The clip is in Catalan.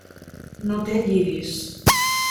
No té lliris.